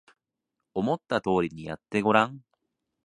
思った通りにやってごらん